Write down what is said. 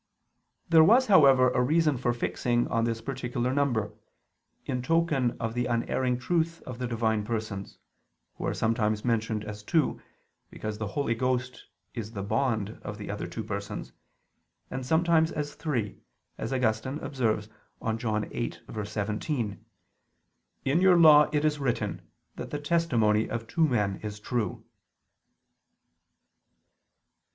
There was, however, a reason for fixing on this particular number, in token of the unerring truth of the Divine Persons, Who are sometimes mentioned as two, because the Holy Ghost is the bond of the other two Persons; and sometimes as three: as Augustine observes on John 8:17: "In your law it is written that the testimony of two men is true."